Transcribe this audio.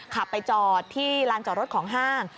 ขับไปจอดที่ลานจอดรถของห้าง